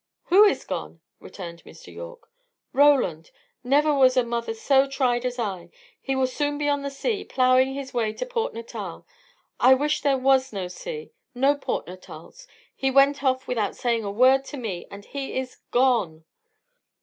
"Who is gone?" returned Mr. Yorke. "Roland. Never was a mother so tried as I. He will soon be on the sea, ploughing his way to Port Natal. I wish there was no sea! no Port Natals! He went off without saying a word to me, and he is GONE!"